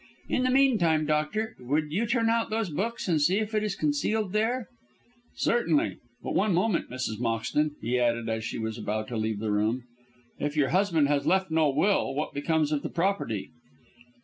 In the meantime, doctor, would you turn out those books and see if it is concealed there?" "Certainly; but one moment, Mrs. Moxton," he added as she was about to leave the room; "if your husband has left no will, what becomes of the property?"